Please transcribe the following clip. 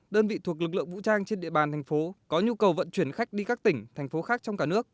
đơn vị thuộc lực lượng vũ trang trên địa bàn thành phố có nhu cầu vận chuyển khách đi các tỉnh thành phố khác trong cả nước